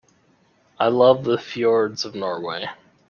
I love the fjords of Norway.